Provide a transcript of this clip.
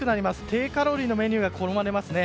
低カロリーのメニューが好まれますね。